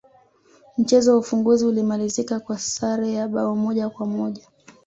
mchezo wa ufunguzi ulimalizika kwa sare ya bao moja kwa moja